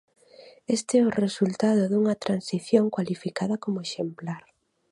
Este é o resultado dunha Transición, cualificada como "exemplar".